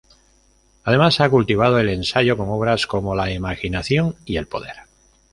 Además, ha cultivado el ensayo con obras como "La imaginación y el poder.